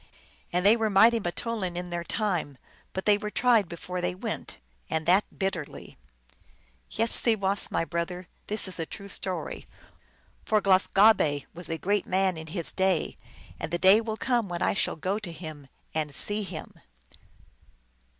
And they were mighty m teoulin in their time ; but they were tried before they went, and that bitterly. Yes, seewass, my brother, this is a true story. For Glus gah be was a great man in his day, and the day will come when I shall go to him and see him.